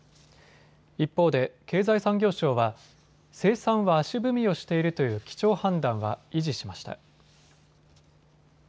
一方で経済産業省は生産は足踏みをしているという基調判断は維持しました。